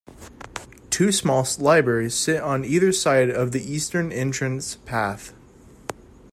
Two small libraries sit on either side of the eastern entrance path.